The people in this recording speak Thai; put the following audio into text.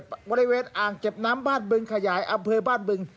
อนเตรียมอ้างเก็บน้ำบ้านบึงขยายอำเพลฯบ้านบึง